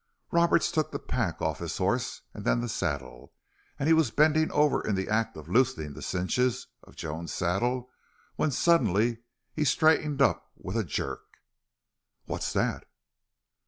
Roberts took the pack off his horse, and then the saddle. And he was bending over in the act of loosening the cinches of Joan's saddle when suddenly he straightened up with a jerk. "What's that?"